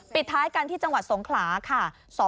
ปิดท้ายกันที่จังหวัดสงขราศ์